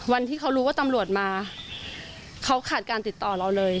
วันที่เขารู้ว่าตำรวจมาเขาขาดการติดต่อเราเลย